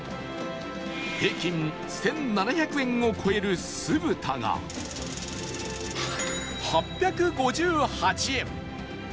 平均１７００円を超える酢豚が８５８円